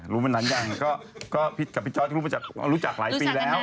รู้มานานหรือยังก็พี่กับพี่จอร์ทรู้จักหลายปีแล้ว